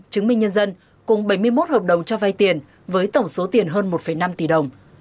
chứng minh nhân dân cùng bảy mươi một hợp đồng cho vai tiền với tổng số tiền hơn một năm tỷ đồng